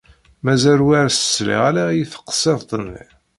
Mazal ur as-sliɣ ara i teqsiḍt-nni.